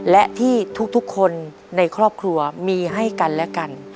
และที่ทุกคนในครอบครัวมีให้กันและกัน